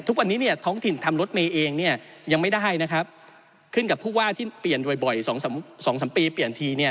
ทุกวันนี้เนี่ยท้องถิ่นทำรถเมล์เองเนี่ยยังไม่ได้นะครับขึ้นกับผู้ว่าที่เปลี่ยนไว่๒๓๒ปีเปลี่ยนทีเนี่ย